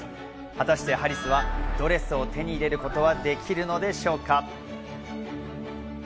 果たして、ハリスはドレスを手に入れることはできるのでしょうか？